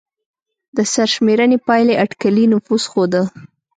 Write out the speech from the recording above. د سرشمېرنې پایلې اټکلي نفوس ښوده.